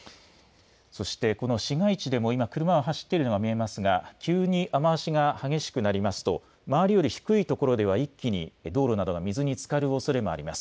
そしてこの市街地でも今、車は走っているのが見えますが急に雨足が激しくなりますと周りより低い所では一気に道路などが水につかるおそれもあります。